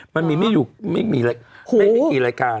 มันมีไม่กี่รายการ